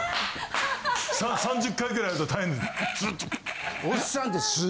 ３０階ぐらいあると大変です。